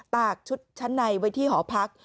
ตากชุดชั้นในไว้ที่หอพัก